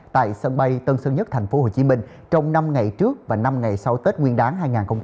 tại sân bay tân sơn nhất tp hcm trong năm ngày trước và năm ngày sau tết nguyên đáng hai nghìn hai mươi bốn